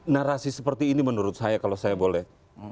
narasi seperti ini menurut saya kalau saya boleh